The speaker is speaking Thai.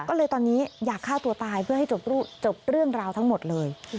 ก็เลยตอนนี้อยากฆ่าตัวตายเพื่อให้จบเรื่องราวทั้งหมดเลย